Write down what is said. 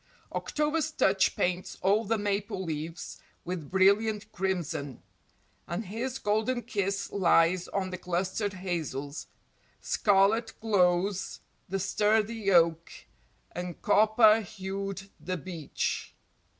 October's touch paints all the maple leaves With brilliant crimson, and his golden kiss Lies on the clustered hazels; scarlet glows The sturdy oak, and copper hued the beech.